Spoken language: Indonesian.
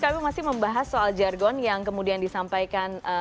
kami masih membahas soal jargon yang kemudian disampaikan